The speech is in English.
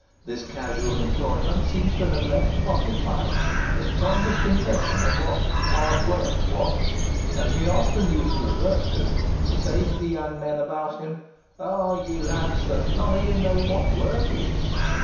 This casual employment seems to have left upon his mind the strongest impression of what "hard work" was; and he often used to revert to it, and say to the young men about him, "Ah, ye lads! there's none o' ye know what wark is."